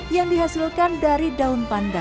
yang dihasilkan dari daun pandan